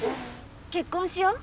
結婚しよう。